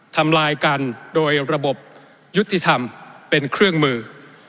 ทำลายกันโดยระบบยุติธรรมเป็นเครื่องมือ